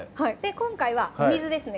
今回はお水ですね